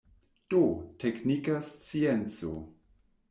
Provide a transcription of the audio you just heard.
Do, teknika scienco.